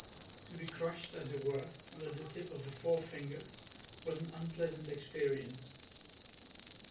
To be crushed, as it were, under the tip of a forefinger was an unpleasant experience.